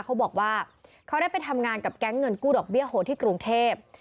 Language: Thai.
เขาบอกว่าเขาได้ไปทำงานกับแก๊งเงินกู้ดอกเบี้ยโหดที่กรุงเทพ